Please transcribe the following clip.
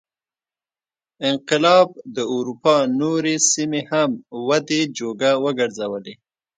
انقلاب د اروپا نورې سیمې هم ودې جوګه وګرځولې.